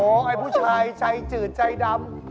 ไอ้ผู้ชายใจจืดใจดำ